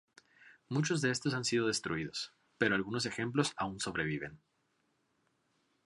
Muchos de estos han sido destruidos, pero algunos ejemplos aún sobreviven.